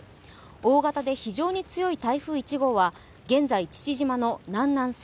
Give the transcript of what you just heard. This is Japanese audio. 大型で非常に強い台風１号は、現在、父島の南南西